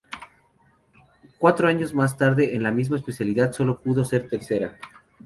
Cuatro años más tarde en la misma especialidad solo pudo ser tercera.